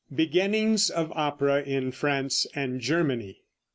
BEGINNINGS OF OPERA IN FRANCE AND GERMANY.